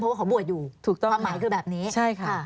เพราะเขาบวชอยู่คำหมายคือแบบนี้